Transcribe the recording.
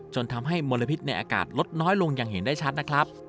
จนทำให้มลพิษในอากาศลดน้อยลงอย่างเห็นได้ชัดนะครับ